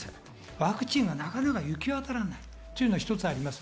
ワクチンがなかなか行き渡らないというのが一つあります。